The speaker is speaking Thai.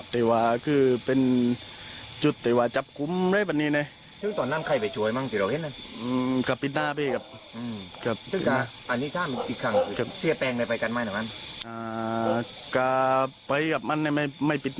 แต่พอช่วยเข้าที่นี่เนี่ยก็เป็นชุดเหตุรบัญชาการ